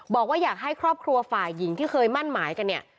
บอกว่าอยากให้ครอบครัวฝ่ายหญิงที่เคยมั่นหมายกันเนี่ย